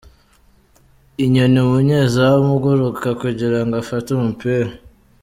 Inyoni: Umunyezamu uguruka kugirango afate umupira.